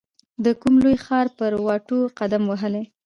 د کوم لوی ښار پر واټو قدم وهلی